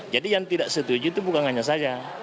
jadi yang tidak setuju itu bukan hanya saya